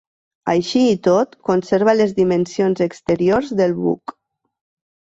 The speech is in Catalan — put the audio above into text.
Així i tot conserva les dimensions exteriors del buc.